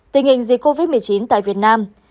tình hình dịch covid một mươi chín tại việt nam